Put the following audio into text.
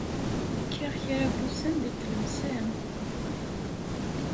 Kkiɣ kra n wussan deg Tlemsan.